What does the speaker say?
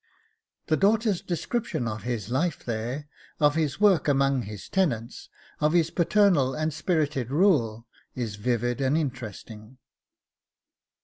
The daughter's description of his life there, of his work among his tenants, of his paternal and spirited rule, is vivid and interesting.